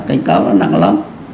cảnh cáo nó nặng lắm